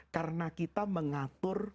karena kita mengatur